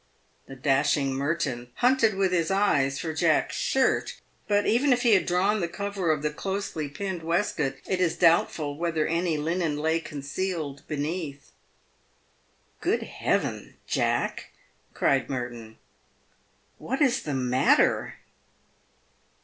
The dashing Merton hunted with his eyes for Jack's shirt, but, even if he had drawn the cover of the closely pinned waistcoat, it is doubtful whether any linen lay concealed beneath. " Good Heaven, Jack!" cried Merton, "what is the matter?"